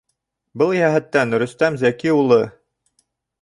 Был йәһәттән Рөстәм Зәки улы: